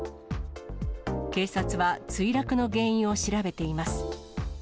警察は墜落の原因を調べています。